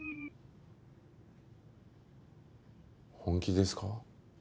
本気ですか？